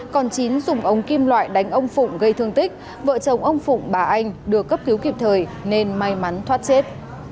còn chín dùng ống kim loại đánh ông phụng gây thương tích vợ chồng ông phụng bà anh được cấp cứu kịp thời nên may mắn thoát chết